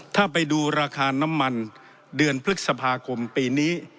ถ้าไปดูราคาน้ำมันเดือนพฤษภาคมปีนี้